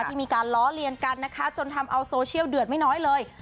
ที่มีการล้อเลียนกันนะคะจนทำเอาโซเชียลเดือดไม่น้อยเลย